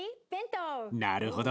なるほど。